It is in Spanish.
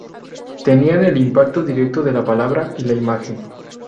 Tenían el impacto directo de la palabra y la imagen.